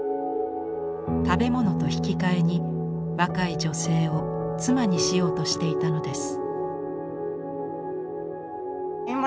食べ物と引き換えに若い女性を妻にしようとしていたのです。